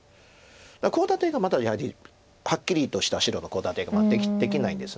コウ立てがまだやはりはっきりとした白のコウ立てができないんです。